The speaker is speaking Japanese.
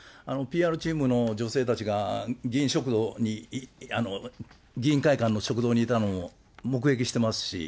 ＰＲチームの女性たちが議員食堂に、議員会館の食堂にいたのを目撃してますし。